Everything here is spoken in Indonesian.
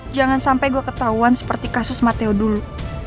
jangan sampai gue ketahuan seperti kasus mateo dulu